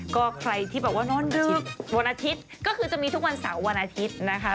ก็ใครที่บอกว่านอนดึกวันอาทิตย์ก็คือจะมีทุกวันเสาร์วันอาทิตย์นะคะ